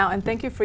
có những câu hỏi